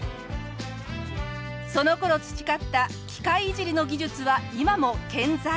その頃培った機械いじりの技術は今も健在。